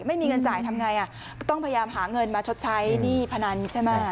ไม่มีเงินจ่ายทำไงก็ต้องพยายามหาเงินมาชดใช้หนี้พนันใช่ไหม